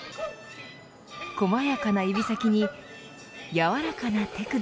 細やかな指先にやわらかな手首。